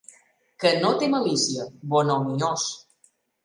Que no té malícia, bonhomiós.